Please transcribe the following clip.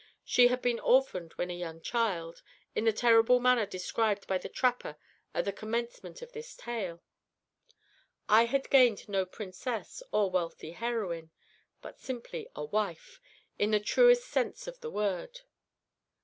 She had been orphaned when a young child, in the terrible manner described by the trapper at the commencement of this tale. I had gained no princess or wealthy heroine, but simply a wife, in the truest sense of the word.